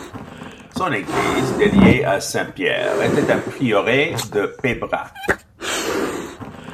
Son église, dédiée à Saint-Pierre, était un prieuré de Pébrac.